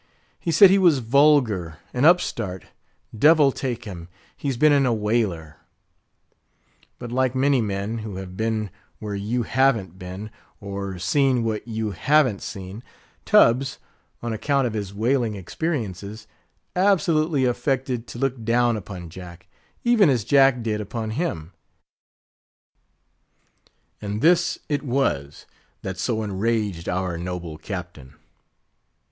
He said he was vulgar, an upstart—Devil take him, he's been in a whaler. But like many men, who have been where you haven't been; or seen what you haven't seen; Tubbs, on account of his whaling experiences, absolutely affected to look down upon Jack, even as Jack did upon him; and this it was that so enraged our noble captain.